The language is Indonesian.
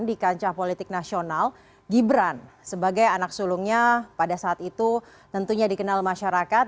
di kancah politik nasional gibran sebagai anak sulungnya pada saat itu tentunya dikenal masyarakat